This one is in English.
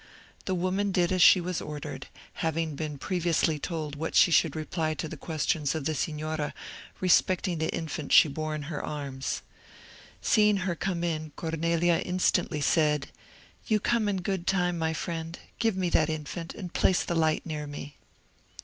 The woman did as she was ordered, having been previously told what she should reply to the questions of the Signora respecting the infant she bore in her arms Seeing her come in, Cornelia instantly said, "You come in good time, my friend; give me that infant, and place the light near me."